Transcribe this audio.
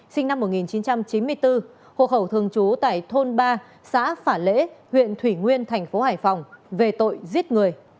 sinh năm một nghìn chín trăm chín mươi bốn hồ khẩu thường trú tại thôn ba xã phả lễ huyện thủy nguyên tp hải phòng về tội giết người